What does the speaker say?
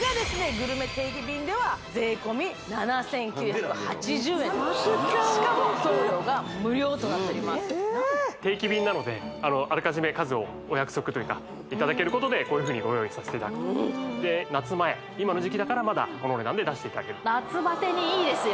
グルメ定期便では定期便なのであらかじめ数をお約束というかいただけることでこういうふうにご用意させていただくと夏前今の時期だからまだこの値段で出していただけると夏バテにいいですよ